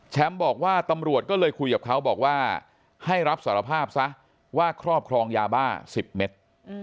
บอกว่าตำรวจก็เลยคุยกับเขาบอกว่าให้รับสารภาพซะว่าครอบครองยาบ้า๑๐เมตร